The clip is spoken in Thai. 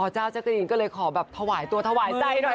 เจ้าแจ๊กกะรีนก็เลยขอแบบถวายตัวถวายใจหน่อย